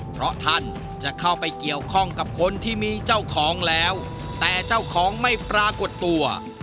เพราะท่านจะเข้าไปเกี่ยวข้องกับคนที่มีเจ้าของแล้วแต่เจ้าของไม่ปรากฏตัว